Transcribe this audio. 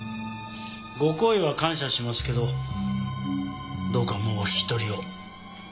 ご厚意は感謝しますけどどうかもうお引き取りを。